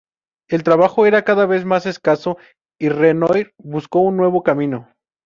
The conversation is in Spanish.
El trabajo era cada vez más escaso, y Renoir buscó un nuevo camino.